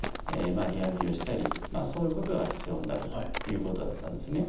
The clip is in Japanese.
リハビリをしたりそういうことが必要になるということだったんですね。